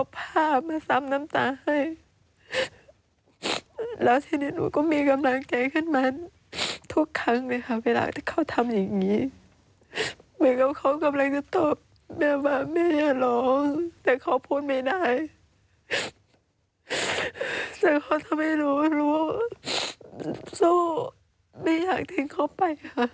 แต่พอทำให้รู้ว่าสู้ไม่อยากทิ้งเขาไปค่ะ